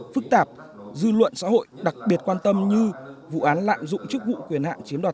phức tạp dư luận xã hội đặc biệt quan tâm như vụ án lạm dụng chức vụ quyền hạn chiếm đoạt